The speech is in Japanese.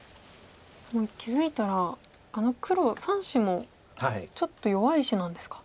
気付いたらあの黒３子もちょっと弱い石なんですか。